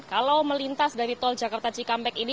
kalau melintas dari tol jakarta cikampek ini